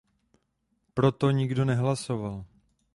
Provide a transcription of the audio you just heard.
Pro to nikdo nehlasoval.